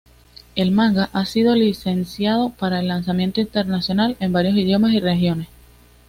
El manga ha sido licenciado para el lanzamiento internacional en varios idiomas y regiones.